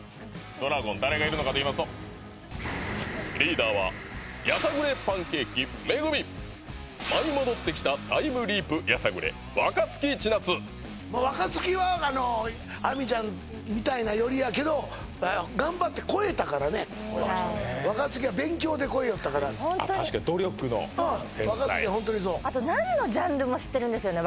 ドラゴン誰がいるのかといいますとリーダーはまあ若槻はあの亜美ちゃんみたいな寄りやけど頑張って超えたからね若槻は勉強で超えよったからはいホントに確かに努力の天才若槻はホントにそうあと何のジャンルも知ってるんですよね